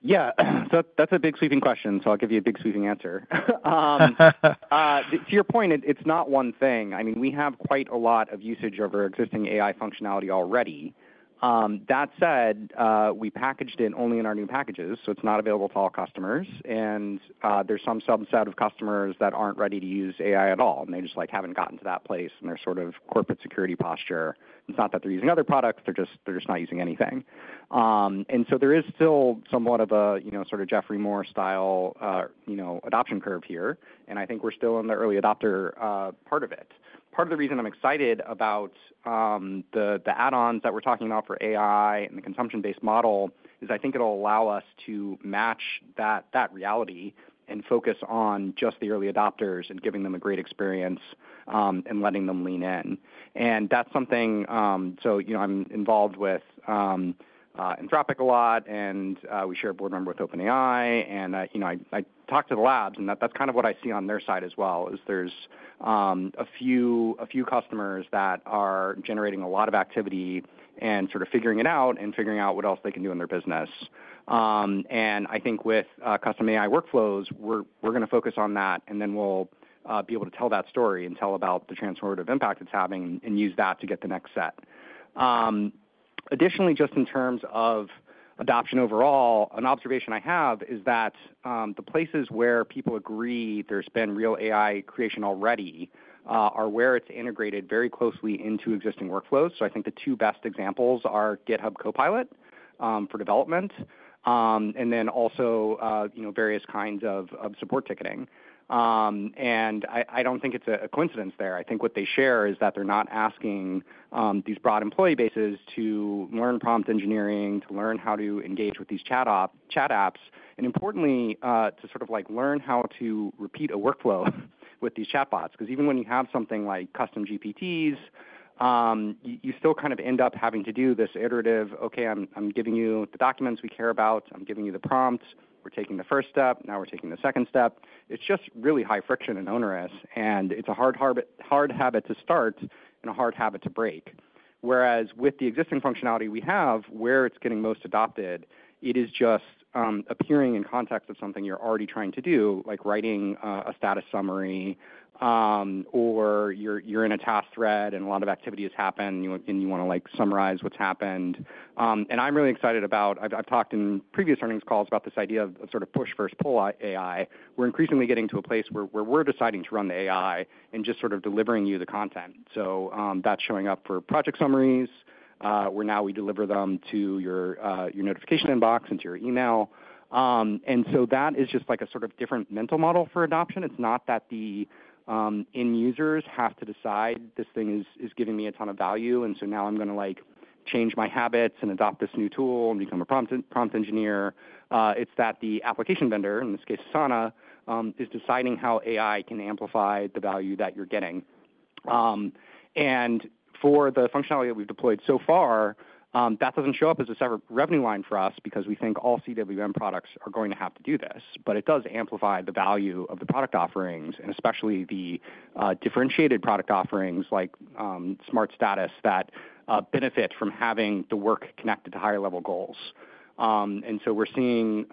Yeah, so that's a big, sweeping question, so I'll give you a big, sweeping answer. To your point, it's not one thing. I mean, we have quite a lot of usage of our existing AI functionality already. That said, we packaged it only in our new packages, so it's not available to all customers, and there's some subset of customers that aren't ready to use AI at all, and they just, like, haven't gotten to that place, and their sort of corporate security posture. It's not that they're using other products, they're just, they're just not using anything. And so there is still somewhat of a, you know, sort of Geoffrey Moore style, you know, adoption curve here, and I think we're still in the early adopter part of it. Part of the reason I'm excited about the add-ons that we're talking about for AI and the consumption-based model is I think it'll allow us to match that reality and focus on just the early adopters and giving them a great experience, and letting them lean in. And that's something, so you know, I'm involved with Anthropic a lot, and we share a board member with OpenAI, and you know, I talk to the labs, and that's kind of what I see on their side as well, is there's a few customers that are generating a lot of activity and sort of figuring it out and figuring out what else they can do in their business. And I think with custom AI workflows, we're gonna focus on that, and then we'll be able to tell that story and tell about the transformative impact it's having and use that to get the next set. Additionally, just in terms of adoption overall, an observation I have is that the places where people agree there's been real AI creation already are where it's integrated very closely into existing workflows. So I think the two best examples are GitHub Copilot for development and then also you know various kinds of support ticketing. And I don't think it's a coincidence there. I think what they share is that they're not asking these broad employee bases to learn prompt engineering, to learn how to engage with these chat apps, and importantly, to sort of, like, learn how to repeat a workflow with these chatbots. 'Cause even when you have something like custom GPTs, you still kind of end up having to do this iterative, "Okay, I'm giving you the documents we care about. I'm giving you the prompts. We're taking the first step, now we're taking the second step." It's just really high friction and onerous, and it's a hard habit to start and a hard habit to break. Whereas with the existing functionality we have, where it's getting most adopted, it is just appearing in context of something you're already trying to do, like writing a status summary, or you're in a task thread and a lot of activity has happened, and you wanna, like, summarize what's happened. And I'm really excited about—I've talked in previous earnings calls about this idea of sort of push versus pull AI. We're increasingly getting to a place where we're deciding to run the AI and just sort of delivering you the content. So, that's showing up for project summaries. Now we deliver them to your notification inbox and to your email. And so that is just, like, a sort of different mental model for adoption. It's not that the end users have to decide, "This thing is giving me a ton of value, and so now I'm gonna, like, change my habits and adopt this new tool and become a prompt engineer." It's that the application vendor, in this case, Asana, is deciding how AI can amplify the value that you're getting. And for the functionality that we've deployed so far, that doesn't show up as a separate revenue line for us because we think all CWM products are going to have to do this, but it does amplify the value of the product offerings, and especially the differentiated product offerings like Smart Status, that benefit from having the work connected to higher level goals. And so we're seeing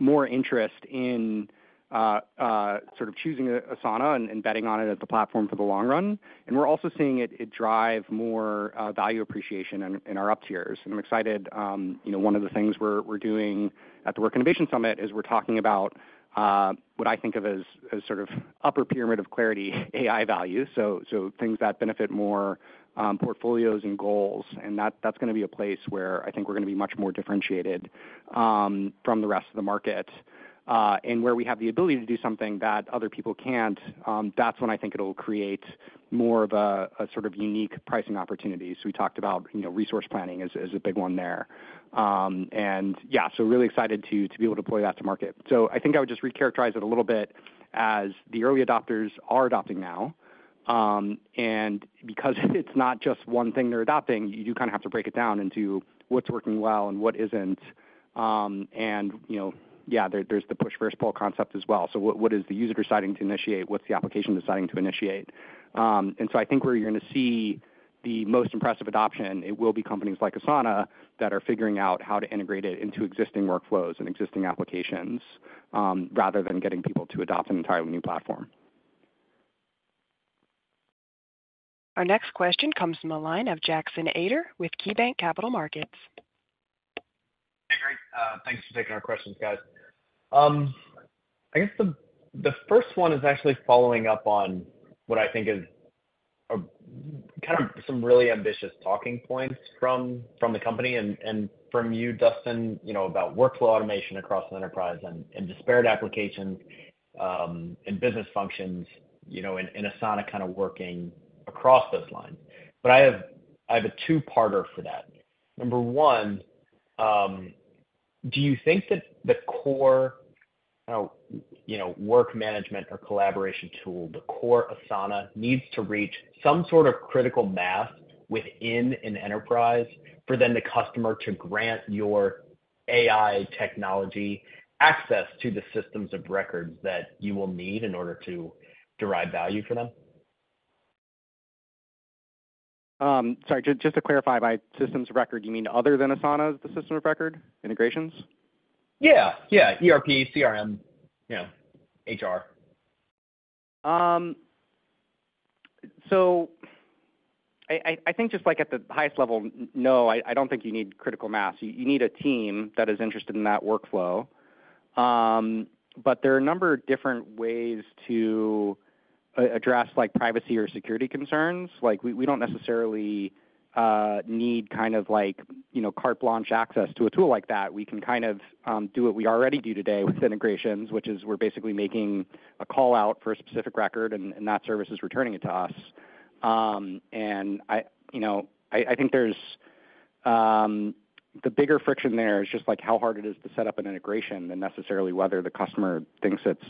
more interest in sort of choosing Asana and betting on it as the platform for the long run. And we're also seeing it drive more value appreciation in our up tiers. And I'm excited, you know, one of the things we're doing at the Work Innovation Summit is we're talking about what I think of as sort of upper Pyramid of Clarity AI value, so things that benefit more portfolios and goals. And that's gonna be a place where I think we're gonna be much more differentiated from the rest of the market, and where we have the ability to do something that other people can't, that's when I think it'll create more of a sort of unique pricing opportunity. So we talked about, you know, resource planning as a big one there. And yeah, so really excited to be able to deploy that to market. So I think I would just recharacterize it a little bit as the early adopters are adopting now, and because it's not just one thing they're adopting, you kind of have to break it down into what's working well and what isn't. And, you know, yeah, there's the push versus pull concept as well. So what is the user deciding to initiate? What's the application deciding to initiate? And so I think where you're gonna see the most impressive adoption, it will be companies like Asana that are figuring out how to integrate it into existing workflows and existing applications, rather than getting people to adopt an entirely new platform. Our next question comes from the line of Jackson Ader with KeyBanc Capital Markets. Hey, great. Thanks for taking our questions, guys. I guess the first one is actually following up on what I think is kind of some really ambitious talking points from the company and from you, Dustin, you know, about workflow automation across the enterprise and disparate applications and business functions, you know, and Asana kind of working across those lines. But I have a two-parter for that. Number one, do you think that the core, you know, work management or collaboration tool, the core Asana, needs to reach some sort of critical mass within an enterprise for then the customer to grant your AI technology access to the systems of records that you will need in order to derive value for them? Sorry, just, just to clarify, by systems of record, you mean other than Asana as the system of record, integrations? Yeah, yeah. ERP, CRM, you know, HR. So I think just, like, at the highest level, no, I don't think you need critical mass. You need a team that is interested in that workflow. But there are a number of different ways to address, like, privacy or security concerns. Like, we don't necessarily need kind of like, you know, carte blanche access to a tool like that. We can kind of do what we already do today with integrations, which is we're basically making a call-out for a specific record, and that service is returning it to us. And you know, I think there's the bigger friction there is just, like, how hard it is to set up an integration than necessarily whether the customer thinks it's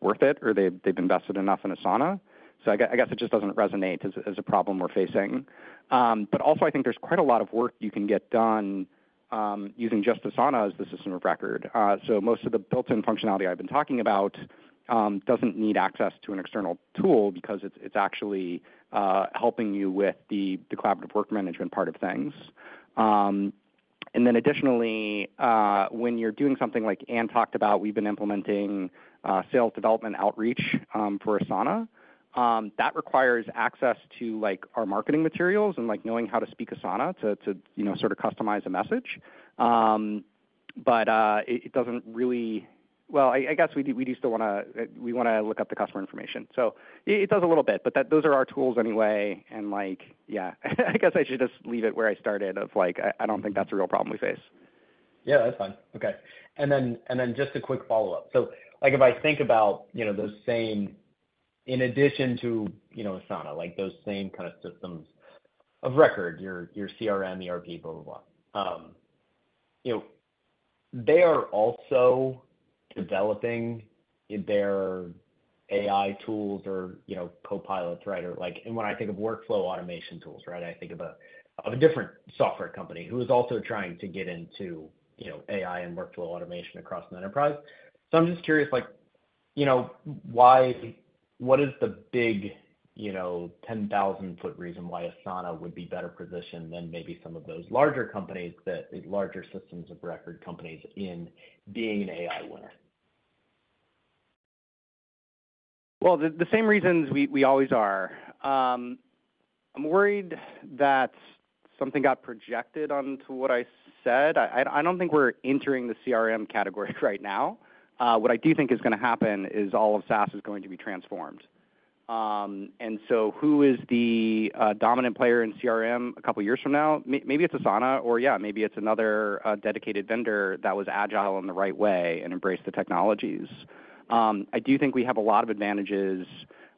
worth it or they've invested enough in Asana. So I guess it just doesn't resonate as a problem we're facing. But also, I think there's quite a lot of work you can get done using just Asana as the system of record. So most of the built-in functionality I've been talking about doesn't need access to an external tool because it's actually helping you with the collaborative work management part of things. And then additionally, when you're doing something like Anne talked about, we've been implementing sales development outreach for Asana that requires access to, like, our marketing materials and, like, knowing how to speak Asana to you know, sort of customize a message. But it it doesn't really Well, I guess we do still wanna look up the customer information, so it does a little bit, but those are our tools anyway, and like, yeah, I guess I should just leave it where I started of like, I don't think that's a real problem we face. Yeah, that's fine. Okay. And then just a quick follow-up. So, like, if I think about, you know, those same, in addition to, you know, Asana, like those same kind of systems of record, your CRM, ERP. You know, they are also developing their AI tools or, you know, copilots, right? Or like, and when I think of workflow automation tools, right, I think of a different software company who is also trying to get into, you know, AI and workflow automation across an enterprise. So I'm just curious, like, you know, why—what is the big, you know, 10,000-foot reason why Asana would be better positioned than maybe some of those larger companies, that larger systems of record companies in being an AI winner? Well, the same reasons we always are. I'm worried that something got projected onto what I said. I don't think we're entering the CRM category right now. What I do think is gonna happen is all of SaaS is going to be transformed. And so who is the dominant player in CRM a couple of years from now? Maybe it's Asana, or yeah, maybe it's another dedicated vendor that was agile in the right way and embraced the technologies. I do think we have a lot of advantages,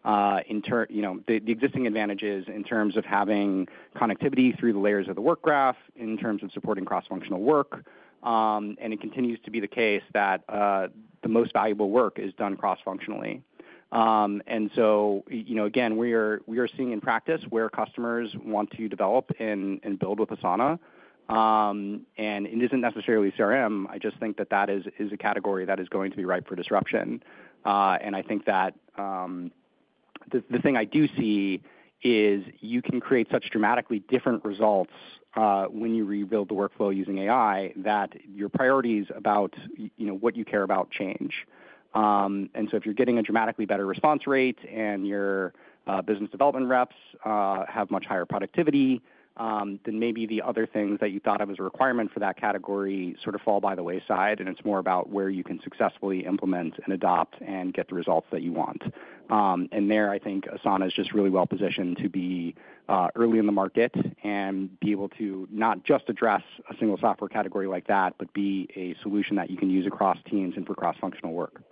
you know, the existing advantages in terms of having connectivity through the layers of the Work Graph, in terms of supporting cross-functional work, and it continues to be the case that the most valuable work is done cross-functionally. And so, you know, again, we are seeing in practice where customers want to develop and build with Asana, and it isn't necessarily CRM. I just think that is a category that is going to be ripe for disruption. And I think that the thing I do see is you can create such dramatically different results when you rebuild the workflow using AI, that your priorities about, you know, what you care about, change. And so if you're getting a dramatically better response rate and your business development reps have much higher productivity, then maybe the other things that you thought of as a requirement for that category sort of fall by the wayside, and it's more about where you can successfully implement and adopt and get the results that you want. There, I think Asana is just really well positioned to be early in the market and be able to not just address a single software category like that, but be a solution that you can use across teams and for cross-functional work.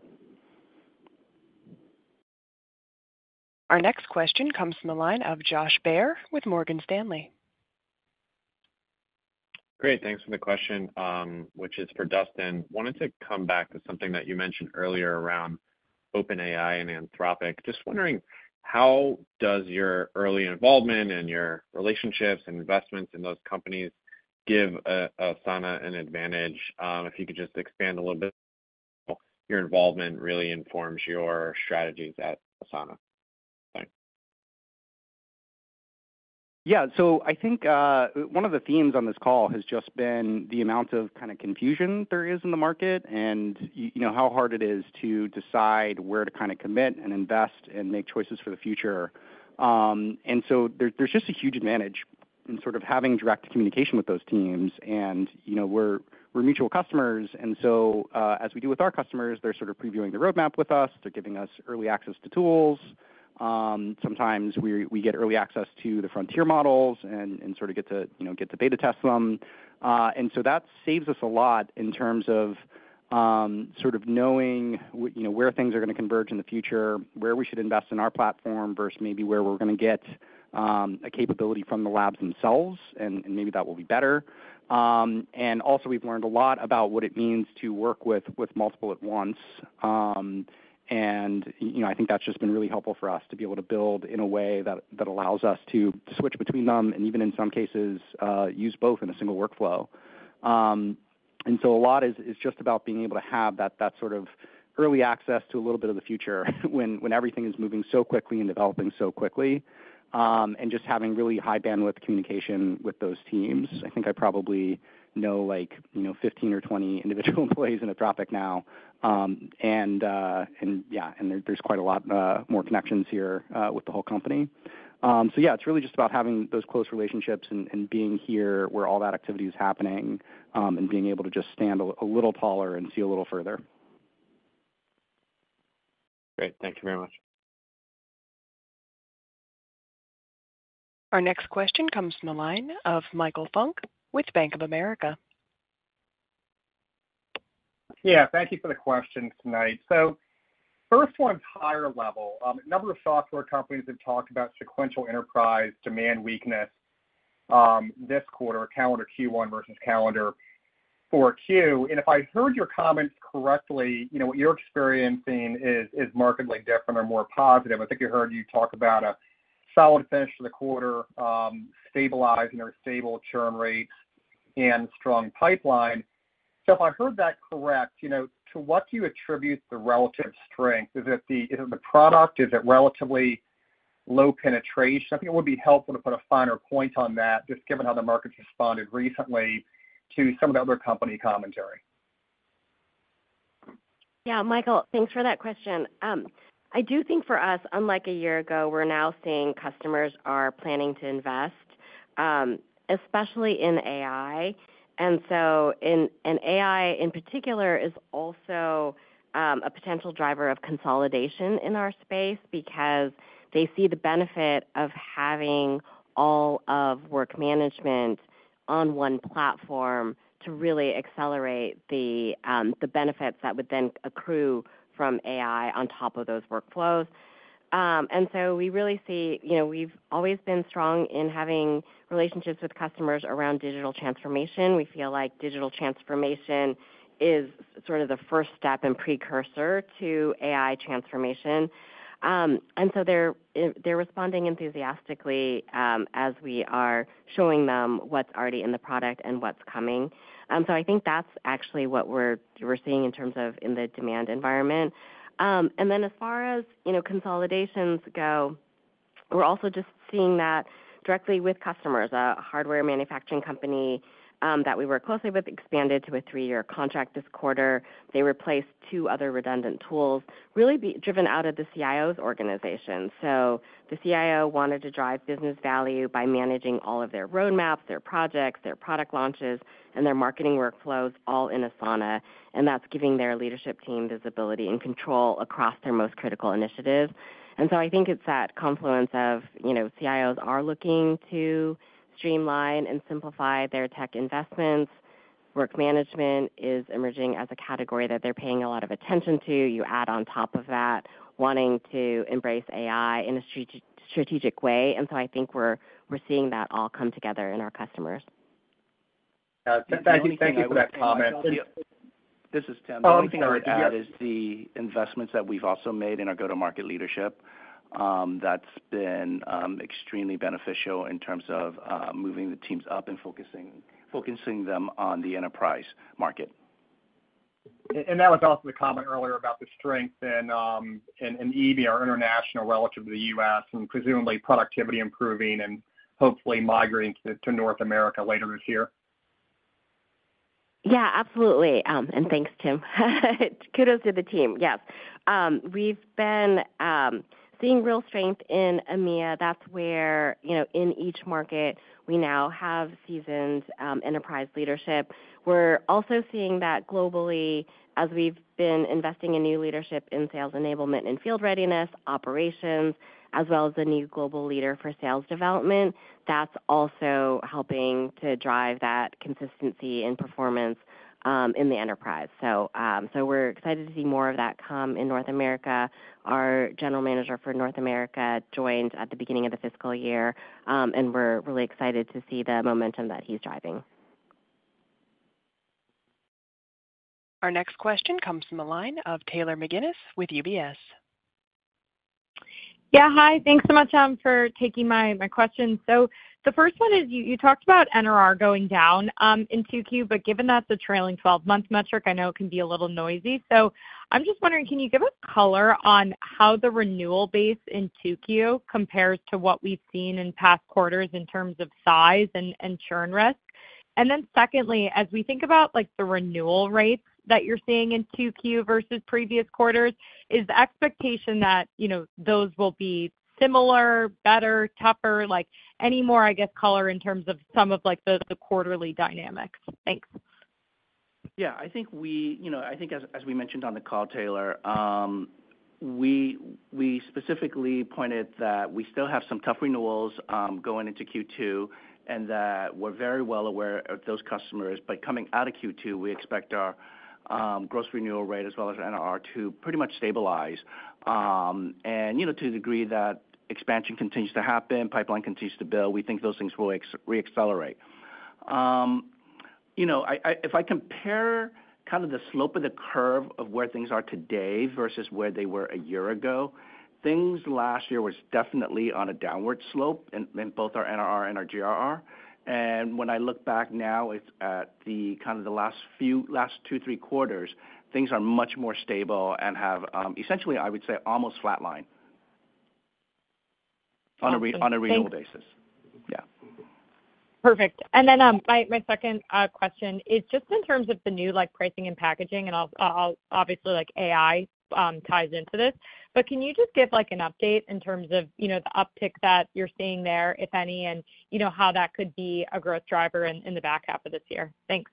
Our next question comes from the line of Josh Baer with Morgan Stanley. Great, thanks for the question, which is for Dustin. Wanted to come back to something that you mentioned earlier around OpenAI and Anthropic. Just wondering, how does your early involvement and your relationships and investments in those companies give, Asana an advantage? If you could just expand a little bit, your involvement really informs your strategies at Asana. Thanks. Yeah. So I think one of the themes on this call has just been the amount of kind of confusion there is in the market, and you know, how hard it is to decide where to kind of commit and invest and make choices for the future. And so there's just a huge advantage in sort of having direct communication with those teams, and you know, we're mutual customers, and so as we do with our customers, they're sort of previewing the roadmap with us. They're giving us early access to tools. Sometimes we get early access to the frontier models and sort of get to, you know, get to beta test them. And so that saves us a lot in terms of, sort of knowing you know, where things are going to converge in the future, where we should invest in our platform versus maybe where we're going to get a capability from the labs themselves, and maybe that will be better. And also, we've learned a lot about what it means to work with multiple at once. And, you know, I think that's just been really helpful for us to be able to build in a way that allows us to switch between them and even in some cases, use both in a single workflow. And so a lot is just about being able to have that sort of early access to a little bit of the future when everything is moving so quickly and developing so quickly, and just having really high bandwidth communication with those teams. I think I probably know, like, you know, 15 or 20 individual employees in Anthropic now. Yeah, and there's quite a lot more connections here with the whole company. So yeah, it's really just about having those close relationships and being here where all that activity is happening, and being able to just stand a little taller and see a little further. Great. Thank you very much. Our next question comes from the line of Michael Funk with Bank of America. Yeah, thank you for the question tonight. So first one, higher level. A number of software companies have talked about sequential enterprise demand weakness, this quarter, calendar Q1 versus calendar 4Q. And if I heard your comments correctly, you know, what you're experiencing is markedly different or more positive. I think I heard you talk about a solid finish to the quarter, stabilizing or stable churn rates and strong pipeline. So if I heard that correct, you know, to what do you attribute the relative strength? Is it the product? Is it relatively low penetration? I think it would be helpful to put a finer point on that, just given how the market's responded recently to some of the other company commentary. Yeah, Michael, thanks for that question. I do think for us, unlike a year ago, we're now seeing customers are planning to invest, especially in AI. And so, AI, in particular, is also a potential driver of consolidation in our space because they see the benefit of having all of work management on one platform to really accelerate the benefits that would then accrue from AI on top of those workflows. And so we really see You know, we've always been strong in having relationships with customers around digital transformation. We feel like digital transformation is sort of the first step and precursor to AI transformation. And so they're responding enthusiastically, as we are showing them what's already in the product and what's coming. So I think that's actually what we're seeing in terms of the demand environment. And then as far as, you know, consolidations go, we're also just seeing that directly with customers. A hardware manufacturing company that we work closely with expanded to a three-year contract this quarter. They replaced two other redundant tools, really being driven out of the CIO's organization. So the CIO wanted to drive business value by managing all of their roadmaps, their projects, their product launches, and their marketing workflows, all in Asana, and that's giving their leadership team visibility and control across their most critical initiatives. And so I think it's that confluence of, you know, CIOs are looking to streamline and simplify their tech investments. Work management is emerging as a category that they're paying a lot of attention to. You add on top of that, wanting to embrace AI in a strategic way, and so I think we're seeing that all come together in our customers. Thank you. Thank you for that comment. This is Tim. Oh, sorry. Yep. The only thing I would add is the investments that we've also made in our go-to-market leadership, that's been extremely beneficial in terms of, moving the teams up and focusing them on the enterprise market. And that was also the comment earlier about the strength in EMEA, our international, relative to the U.S, and presumably productivity improving and hopefully migrating to North America later this year. Yeah, absolutely, and thanks, Tim. Kudos to the team. Yes. We've been seeing real strength in EMEA. That's where, you know, in each market, we now have seasoned enterprise leadership. We're also seeing that globally, as we've been investing in new leadership in sales enablement and field readiness, operations, as well as a new global leader for sales development, that's also helping to drive that consistency and performance in the enterprise. So, so we're excited to see more of that come in North America. Our general manager for North America joined at the beginning of the fiscal year, and we're really excited to see the momentum that he's driving. Our next question comes from the line of Taylor McGinnis with UBS. Yeah, hi. Thanks so much for taking my question. So the first one is, you talked about NRR going down in 2Q, but given that the trailing 12-month metric, I know it can be a little noisy. So I'm just wondering, can you give us color on how the renewal base in 2Q compares to what we've seen in past quarters in terms of size and churn risk? And then secondly, as we think about, like, the renewal rates that you're seeing in 2Q versus previous quarters, is the expectation that, you know, those will be similar, better, tougher? Like, any more, I guess, color in terms of some of, like, the quarterly dynamics. Thanks. Yeah, I think we. You know, I think as, as we mentioned on the call, Taylor, we specifically pointed that we still have some tough renewals going into Q2, and that we're very well aware of those customers. But coming out of Q2, we expect our gross renewal rate as well as NRR to pretty much stabilize. And, you know, to the degree that expansion continues to happen, pipeline continues to build, we think those things will reaccelerate. You know, if I compare kind of the slope of the curve of where things are today versus where they were a year ago, things last year was definitely on a downward slope in both our NRR and our GRR. When I look back now at the last two, three quarters, things are much more stable and have essentially, I would say, almost flatlined on a renewal basis. Yeah. Perfect. And then, my second question is just in terms of the new, like, pricing and packaging, and I'll obviously, like, AI ties into this. But can you just give, like, an update in terms of, you know, the uptick that you're seeing there, if any, and, you know, how that could be a growth driver in the back half of this year? Thanks.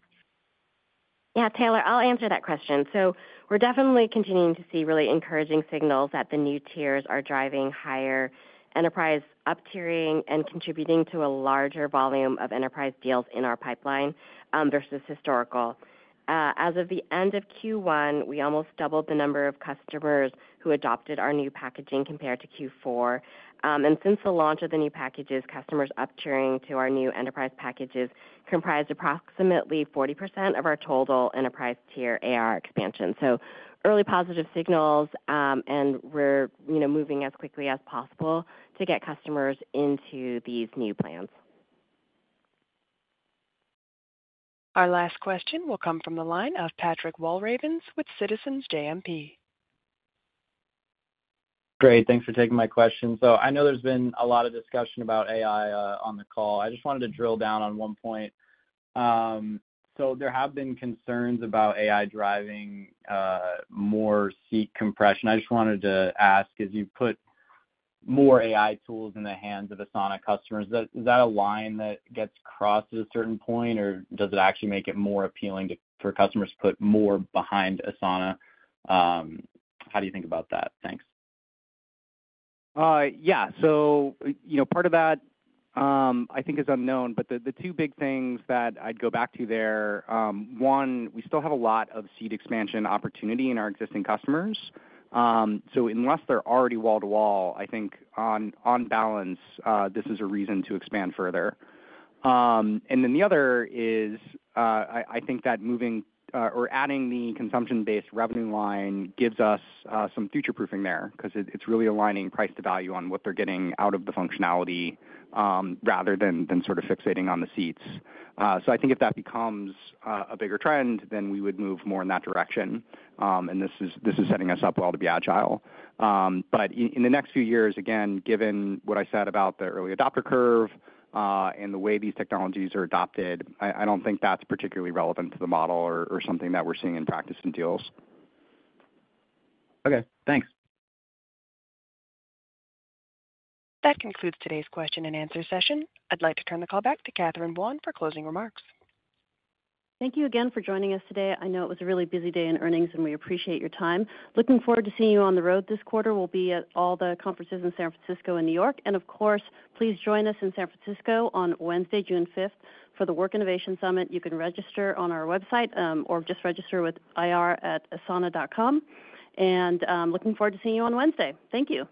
Yeah, Taylor, I'll answer that question. So we're definitely continuing to see really encouraging signals that the new tiers are driving higher enterprise up-tiering and contributing to a larger volume of enterprise deals in our pipeline, versus historical. As of the end of Q1, we almost doubled the number of customers who adopted our new packaging compared to Q4. And since the launch of the new packages, customers up-tiering to our new enterprise packages comprised approximately 40% of our total enterprise tier ARR expansion. So early positive signals, and we're, you know, moving as quickly as possible to get customers into these new plans. Our last question will come from the line of Patrick Walravens with Citizens JMP. Great, thanks for taking my question. So I know there's been a lot of discussion about AI on the call. I just wanted to drill down on one point. So there have been concerns about AI driving more seat compression. I just wanted to ask, as you put more AI tools in the hands of Asana customers, does, is that a line that gets crossed at a certain point, or does it actually make it more appealing to- for customers to put more behind Asana? How do you think about that? Thanks. Yeah. So, you know, part of that, I think, is unknown, but the two big things that I'd go back to there, one, we still have a lot of seat expansion opportunity in our existing customers. So unless they're already wall-to-wall, I think on balance, this is a reason to expand further. And then the other is, I think that moving or adding the consumption-based revenue line gives us some future-proofing there, 'cause it, it's really aligning price to value on what they're getting out of the functionality, rather than sort of fixating on the seats. So I think if that becomes a bigger trend, then we would move more in that direction. And this is setting us up well to be agile. But in the next few years, again, given what I said about the early adopter curve, and the way these technologies are adopted, I don't think that's particularly relevant to the model or something that we're seeing in practice in deals. Okay, thanks. That concludes today's question and answer session. I'd like to turn the call back to Catherine Buan for closing remarks. Thank you again for joining us today. I know it was a really busy day in earnings, and we appreciate your time. Looking forward to seeing you on the road. This quarter, we'll be at all the conferences in San Francisco and New York. And of course, please join us in San Francisco on Wednesday, June 5th, for the Work Innovation Summit. You can register on our website, or just register with ir@asana.com. And, looking forward to seeing you on Wednesday. Thank you.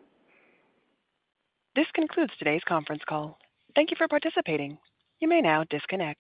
This concludes today's conference call. Thank you for participating. You may now disconnect.